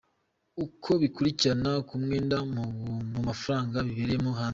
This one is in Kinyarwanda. Uko bikurikirana ku mwenda mu mafaranga bibereyemo hanze.